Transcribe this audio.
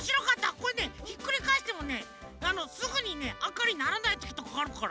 これねひっくりかえしてもねすぐにねあかにならないときとかあるから。